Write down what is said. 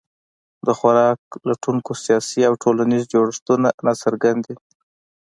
د خوراک لټونکو سیاسي او ټولنیز جوړښتونه ناڅرګند دي.